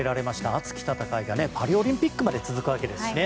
熱き戦いがパリオリンピックまで続くわけですしね。